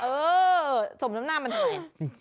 เออสมน้ำหน้ามันทำไม